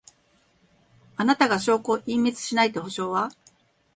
あなたが証拠を隠滅しないって保証は？